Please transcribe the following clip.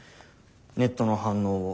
ネットの反応を。